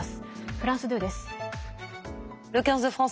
フランス２です。